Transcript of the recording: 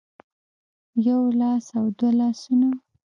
يو لاس او دوه لاسونه